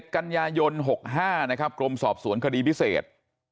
๗กันยายน๖๕กรมสอบสวนคดีพิเศษ